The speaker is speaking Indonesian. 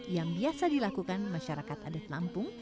yang biasa dilakukan masyarakat adat lampung